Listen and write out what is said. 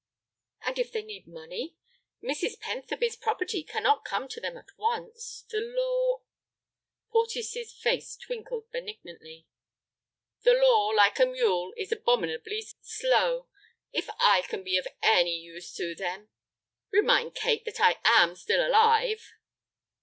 "And if they need money? Mrs. Pentherby's property cannot come to them at once. The law—" Porteus's face twinkled benignantly. "The law, like a mule, is abominably slow. If I can be of any use to them—remind Kate that I am still alive."